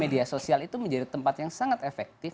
media sosial itu menjadi tempat yang sangat efektif